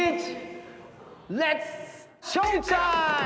レッツショータイム！